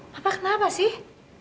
papa kenapa sih